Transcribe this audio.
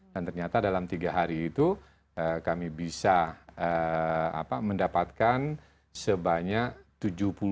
dan ternyata dalam tiga hari itu kami bisa mendapatkan sebanyak tujuh puluh enam tujuh juta usd